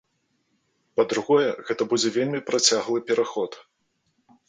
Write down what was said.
Па-другое, гэта будзе вельмі працяглы пераход.